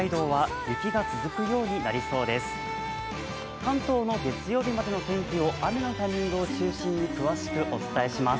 関東の月曜日までの天気を雨のタイミングを中心に詳しくお伝えします。